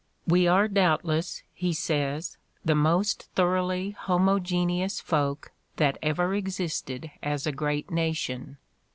""We are doubtless," he says, "the most thor oughly homogeneous folk that ever existed as a great nation.